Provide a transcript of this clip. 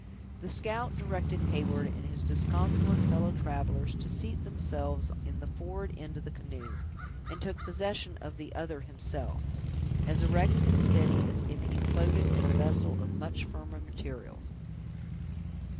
The scout directed Heyward and his disconsolate fellow travelers to seat themselves in the forward end of the canoe, and took possession of the other himself, as erect and steady as if he floated in a vessel of much firmer materials.